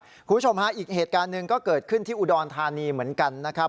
คุณผู้ชมฮะอีกเหตุการณ์หนึ่งก็เกิดขึ้นที่อุดรธานีเหมือนกันนะครับ